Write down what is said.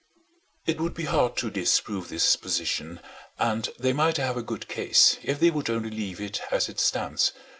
It would be hard to disprove this position, and they might have a good case if they would only leave it as it stands.